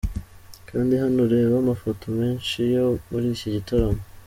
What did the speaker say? Kanda hano urebe amafoto menshi yo muri iki gitaramo.